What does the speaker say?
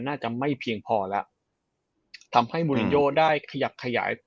น่าจะไม่เพียงพอแล้วทำให้มูลินโยได้ขยับขยาย